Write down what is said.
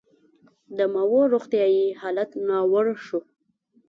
د ماوو روغتیايي حالت ناوړه شو.